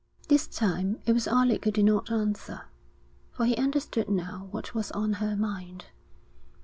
This time it was Alec who did not answer, for he understood now what was on her mind.